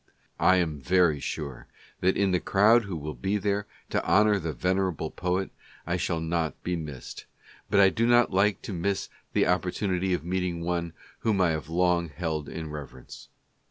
I am very sure that in the crowd will be there to honor the venerable poet, I shall not be missed, but I do not like to miss the opportunity of meeting one whom I have long held in reverence.